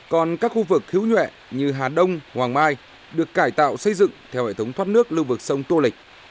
còn các khu vực hữu nhuệ như hà đông hoàng mai được cải tạo xây dựng theo hệ thống thoát nước lưu vực sông tô lịch